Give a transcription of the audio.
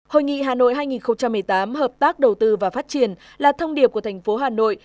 hội nghị hà nội hai nghìn một mươi tám hợp tác đầu tư và phát triển là thông điệp của thành phố hà nội